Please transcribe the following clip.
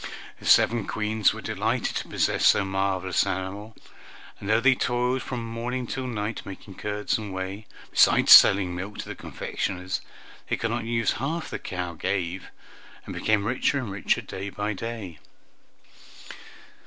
The seven Queens were delighted to possess so marvelous an animal, and though they toiled from morning till night making curds and whey, besides selling milk to the confectioners, they could not use half the cow gave, and became richer and richer day by day.